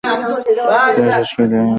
জানি শেষকালে আমারই দোষ হবে।